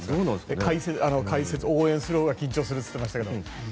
解説、応援するほうが緊張すると言ってましたけど。